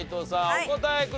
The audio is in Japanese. お答えください。